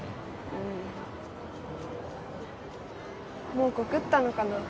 うんもう告ったのかな？